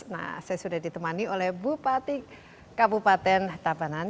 nah saya sudah ditemani oleh bupati kabupaten tabanan